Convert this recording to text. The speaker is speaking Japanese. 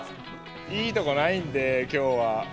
いいとこないんで、きょうは。